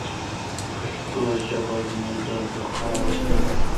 پښتو ژبه زموږ د بقا وسیله ده.